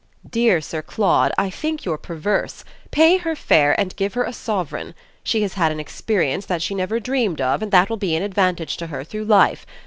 "Dear Sir Claude, I think you're perverse. Pay her fare and give her a sovereign. She has had an experience that she never dreamed of and that will be an advantage to her through life.